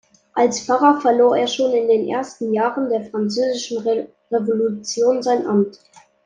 Als Pfarrer verlor er schon in den ersten Jahren der französischen Revolution sein Amt.